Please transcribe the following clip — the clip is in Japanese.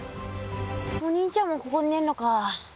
お兄ちゃんもここに寝んのか。